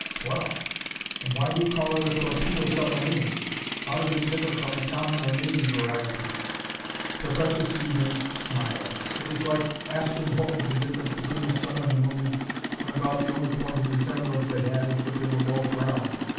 "Swell. And why do you call it a torpedo submarine? How does it differ from the common or navy variety?" Professor Stevens smiled. It was like asking what was the difference between the sun and the moon, when about the only point of resemblance they had was that they were both round.